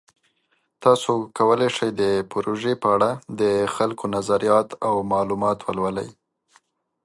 تاسو کولی شئ د پروژې په اړه د خلکو نظریات او معلومات ولولئ.